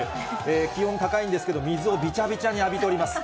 気温高いんですけど、水をびちゃびちゃに浴びております。